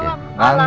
terima kasih pak